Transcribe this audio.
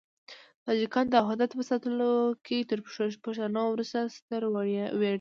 تاجکان د وحدت په ساتلو کې تر پښتنو وروسته ستر ویاړونه لري.